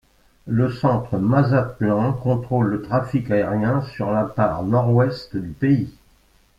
Le Centre Mazatlán contrôle le trafic aérien sur la part nord-ouest du pays.